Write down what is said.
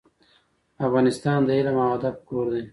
افغانستان د علم او ادب کور دی.